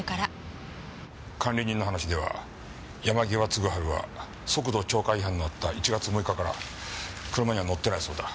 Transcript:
管理人の話では山際嗣治は速度超過違反のあった１月６日から車には乗ってないそうだ。